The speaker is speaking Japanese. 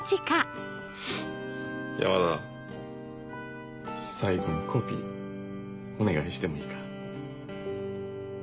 山田最後にコピーお願いしてもいいか？